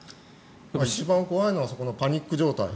一番怖いのはパニック状態。